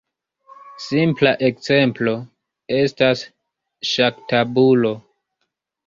Simpla ekzemplo estas ŝaktabulo.